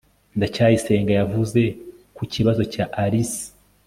ndacyayisenga yavuze ku kibazo cya alice